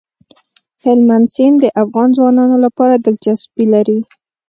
هلمند سیند د افغان ځوانانو لپاره دلچسپي لري.